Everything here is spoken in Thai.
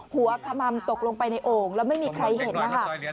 ขมัมตกลงไปในโอ่งแล้วไม่มีใครเห็นนะคะ